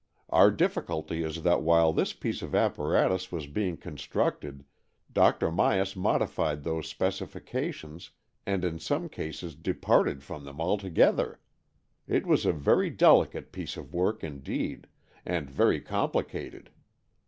Our difficulty is that while this piece of apparatus was being constructed. Dr. Myas modified those specifications and in some cases departed from them altogether. It was a very delicate piece of work indeed, and very complicated.